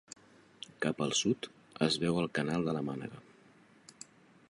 Cap al sud es veu el canal de la Mànega.